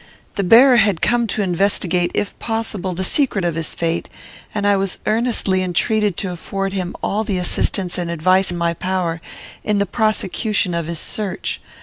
The bearer had come to investigate, if possible, the secret of his fate, and I was earnestly entreated to afford him all the assistance and advice in my power, in the prosecution of his search.